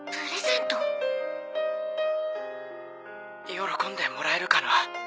喜んでもらえるかな？